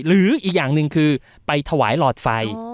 หรืออีกอย่างหนึ่งคือไปถวายหลอดไฟ